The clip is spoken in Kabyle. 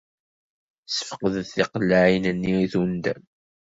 Sfeqdet tiqellaɛin-nni i tundam.